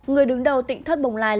người đứng đầu tỉnh thất bồng lai